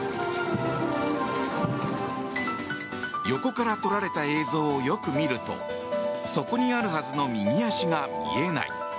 横から撮られた映像をよく見るとそこにあるはずの右足が見えない。